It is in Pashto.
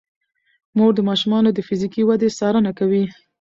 مور د ماشومانو د فزیکي ودې څارنه کوي.